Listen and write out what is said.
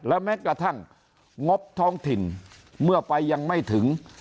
แม้กระทั่งงบท้องถิ่นเมื่อไปยังไม่ถึง